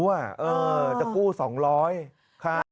หิวอ่ะเออจะกู้สองร้อยค่ะ